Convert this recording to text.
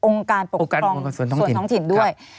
การปกครองส่วนท้องถิ่นด้วย